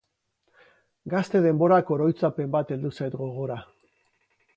Gazte denborako oroitzapen bat heldu zait gogora.